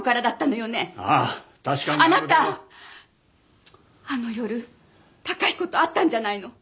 あなたあの夜崇彦と会ったんじゃないの？